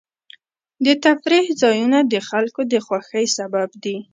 د تفریح ځایونه د خلکو د خوښۍ سبب دي.